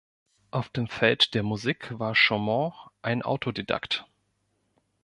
Auf dem Feld der Musik war Chaumont ein Autodidakt.